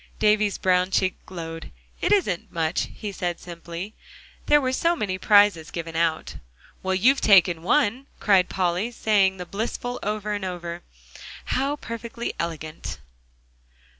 Davie's brown cheek glowed. "It isn't much," he said simply, "there were so many prizes given out." "Well, you've taken one," cried Polly, saying the blissful over and over. "How perfectly elegant!"